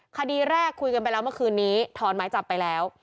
คดีแรกคุยกันไปแล้วเมื่อคืนนี้ถอนไม้จับไปแล้ว